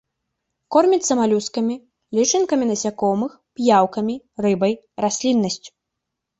Корміцца малюскамі, лічынкамі насякомых, п'яўкамі, рыбай, расліннасцю.